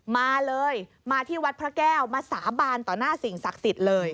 มาเลยมาที่วัดพระแก้วมาสาบานต่อหน้าสิ่งศักดิ์สิทธิ์เลย